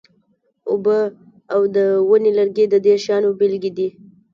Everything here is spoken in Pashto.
اوبه او د ونې لرګي د دې شیانو بیلګې دي.